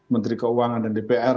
menteri keuangan dan dpr